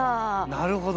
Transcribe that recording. なるほど。